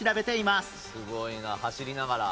すごいな走りながら。